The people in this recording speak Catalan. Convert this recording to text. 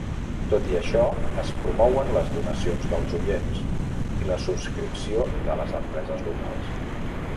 Tot i això, es promouen les donacions dels oients i la subscripció de les empreses locals.